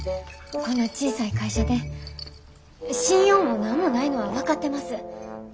こんな小さい会社で信用も何もないのは分かってます。